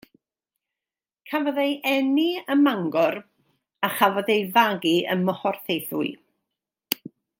Cafodd ei eni ym Mangor a chafodd ei fagu ym Mhorthaethwy.